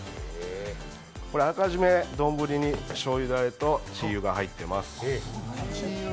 これ、あらかじめ丼にしょうゆだれと鶏油が入っています。